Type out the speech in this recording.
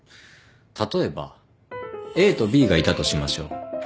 例えばＡとＢがいたとしましょう。